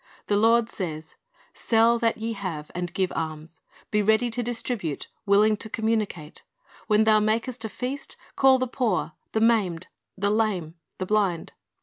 The Lord says, '' Sell that ye have, and give alms. " Be " ready to distribute, willing to communicate. "'' When thou makest a feast, call the poor, the maimed, the lame, the blind."